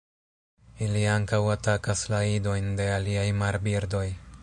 Ili ankaŭ atakas la idojn de aliaj marbirdoj.